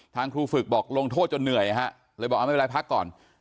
ครูฝึกบอกลงโทษจนเหนื่อยฮะเลยบอกเอาไม่เป็นไรพักก่อน